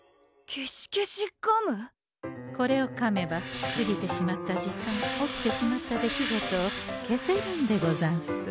これをかめば過ぎてしまった時間起きてしまった出来事を消せるんでござんす。